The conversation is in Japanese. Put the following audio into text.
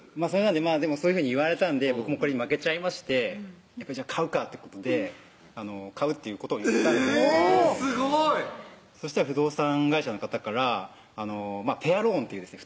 そういうふうに言われたんで僕もこれに負けちゃいまして買うかってことで買うっていうことをえぇっすごい！そしたら不動産会社の方からペアローンっていうですね